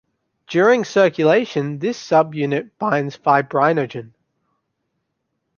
During circulation, this subunit binds fibrinogen.